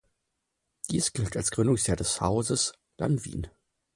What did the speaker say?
Dies gilt als Gründungsjahr des Hauses Lanvin.